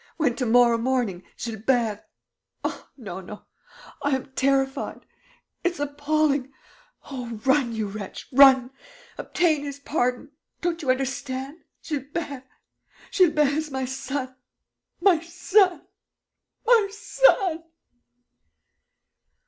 When, to morrow morning, Gilbert.... Ah, no, no, I am terrified ... it's appalling.... Oh, run, you wretch, run! Obtain his pardon!... Don't you understand? Gilbert.... Gilbert is my son! My son! My son!"